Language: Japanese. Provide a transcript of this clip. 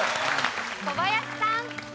小林さん。